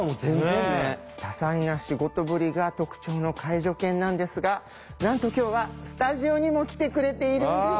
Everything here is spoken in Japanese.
多彩な仕事ぶりが特徴の介助犬なんですがなんと今日はスタジオにも来てくれているんです！